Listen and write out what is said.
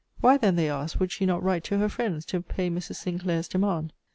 Why then, they asked, would she not write to her friends, to pay Mrs. Sinclair's demand?